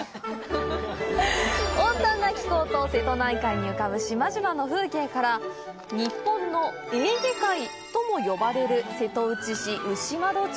温暖な気候と瀬戸内海に浮かぶ島々の風景から「日本のエーゲ海」とも呼ばれる瀬戸内市牛窓町